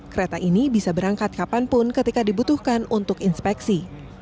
kereta ini bisa berangkat kapanpun ketika dibutuhkan untuk inspeksi